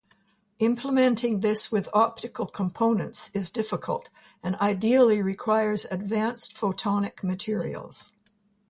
Implementing this with optical components is difficult, and ideally requires advanced photonic materials.